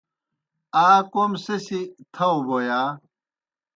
آ کوْم سہ سیْ تھاؤ بوْ یا؟